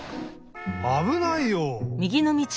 あぶないよ！